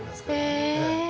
へえ。